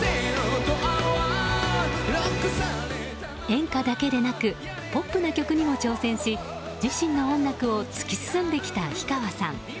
演歌だけでなくポップな曲にも挑戦し自身の音楽を突き進んできた氷川さん。